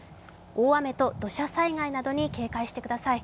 大雨と土砂災害などに警戒してください。